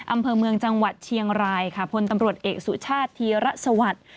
อำเภอเมืองจังหวัดเชียงรายค่ะพลตำรวจเอกสุชาติธีระสวัสดิ์